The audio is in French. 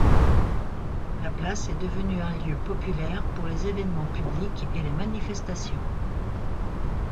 La place est devenue un lieu populaire pour les événements publics et les manifestations.